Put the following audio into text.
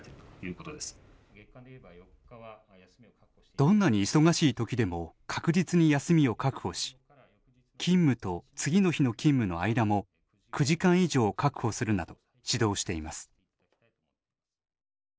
どんなに忙しい時でも確実に休みを確保し勤務と次の日の勤務の間も９時間以上確保するなど指導しています。